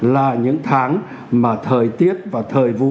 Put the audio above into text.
là những tháng mà thời tiết và thời vụ